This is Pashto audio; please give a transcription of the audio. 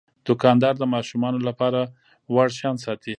دوکاندار د ماشومانو لپاره وړ شیان ساتي.